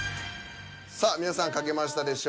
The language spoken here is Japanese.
さあ皆さん書けましたでしょうか。